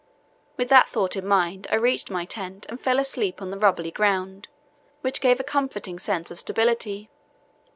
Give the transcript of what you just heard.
With that thought in mind I reached my tent and fell asleep on the rubbly ground, which gave a comforting sense of stability.